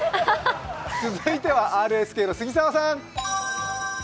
続いてはＲＳＫの杉澤さん！